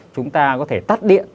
chúng ta có thể tắt điện